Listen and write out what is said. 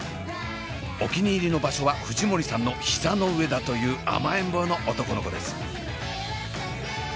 お気に入りの場所は藤森さんの膝の上だという甘えん坊の男の子です。